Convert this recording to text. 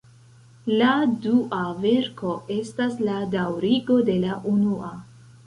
La dua verko estas la daŭrigo de la unua.